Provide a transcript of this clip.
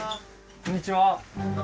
こんにちは。